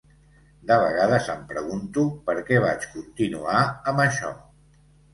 De vegades em pregunto, per què vaig continuar amb això?